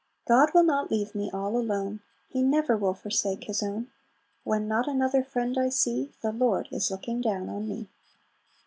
"God will not leave me all alone, He never will forsake His own; When not another friend I see, The Lord is looking down on me."